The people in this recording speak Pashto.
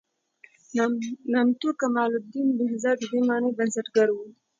نامتو کمال الدین بهزاد د دې مانۍ بنسټګر و.